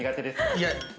いや。